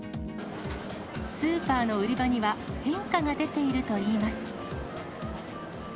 スーパーの売り場には、変化が出ているといいます。